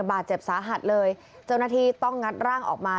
บาดเจ็บสาหัสเลยเจ้าหน้าที่ต้องงัดร่างออกมา